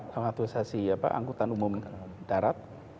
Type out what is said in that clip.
atau aturisasi angkutan umum darat